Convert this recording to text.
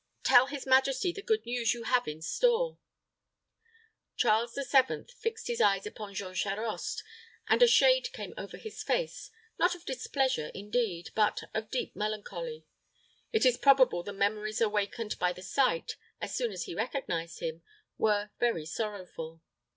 Tell his majesty the good news you have in store." Charles VII. fixed his eyes upon Jean Charost, and a shade came over his face not of displeasure, indeed, but of deep melancholy. It is probable the memories awakened by the sight, as soon as he recognized him, were very sorrowful.